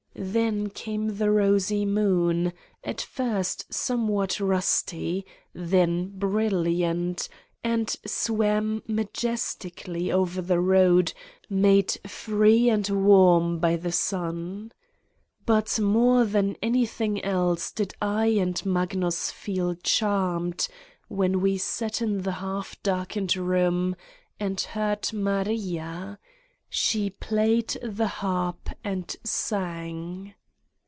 Then came the rosy moon, at first somewhat rusty, then brilliant, and swam majestically over the road made free and warm by the sun. But more than anything else did I and Magnus feel charmed when we sat in the half darkened room and heard Maria: she played the harp and sang.